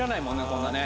こんなね。